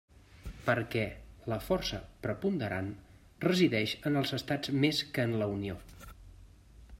Per què la força preponderant resideix en els estats més que en la Unió.